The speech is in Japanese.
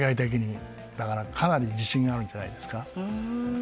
だからかなり自信があるんじゃないですか。